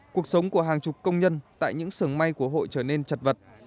cuộc sống của hàng chục công nhân tại những sưởng may của hội trở nên chật vật